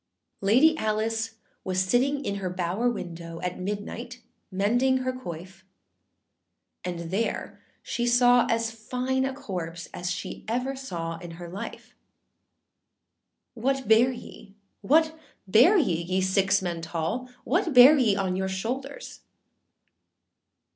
] LADY ALICE was sitting in her bower window, At midnight mending her quoif; And there she saw as fine a corpse As ever she saw in her life. âWhat bear ye, what bear ye, ye six men tall? What bear ye on your shouldèrs?